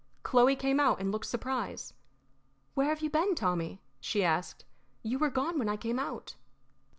Chloe came out and looked surprised. "Where have you been, Tommy?" she asked. "You were gone when I came out."